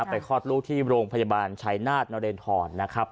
คลอดลูกที่โรงพยาบาลชัยนาธนเรนทรนะครับ